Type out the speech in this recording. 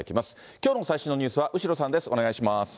きょうの最新のニュースは後呂さんです。